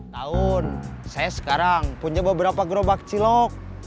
tahun saya sekarang punya beberapa gerobak cilok